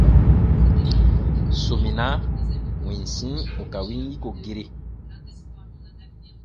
Sominaa winsi ù ka win yiko gere.